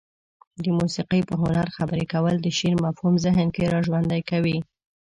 د موسيقي په هنر خبرې کول د شعر مفهوم ذهن کې را ژوندى کوي.